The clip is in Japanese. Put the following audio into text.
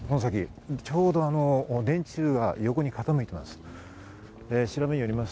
ちょうどあの電柱が横に傾いています。